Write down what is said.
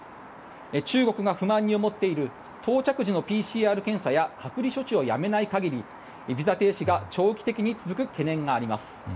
中国が不満に思っている到着時のＰＣＲ検査や隔離処置をやめない限りビザ停止が長期的に続く懸念があります。